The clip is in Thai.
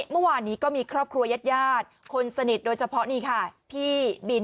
เมื่อวานนี้ก็มีครอบครัวยาดคนสนิทโดยเฉพาะนี่ค่ะพี่บิน